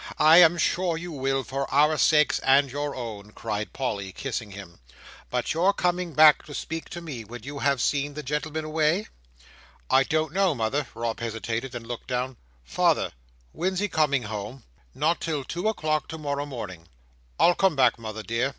I am sure you will, for our sakes and your own!" cried Polly, kissing him. "But you're coming back to speak to me, when you have seen the gentleman away?" "I don't know, mother." Rob hesitated, and looked down. "Father—when's he coming home?" "Not till two o'clock to morrow morning." "I'll come back, mother dear!"